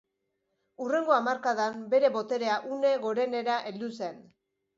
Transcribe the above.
Hurrengo hamarkadan bere boterea une gorenera heldu zen.